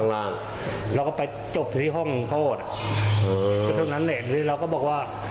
เราก็ไปจบที่ห้องพ่อคือต้นั้นเนี่ยเราก็บอกว่า